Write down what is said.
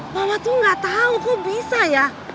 mama tuh gak tau kok bisa ya